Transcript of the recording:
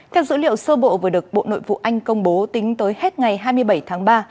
theo dữ liệu sơ bộ vừa được bộ nội vụ anh công bố tính tới hết ngày hai mươi bảy tháng ba